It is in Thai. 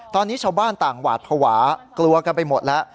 ตอนนี้ชาวบ้านต่างหวาดภาวะกลัวกันไปหมดแล้ว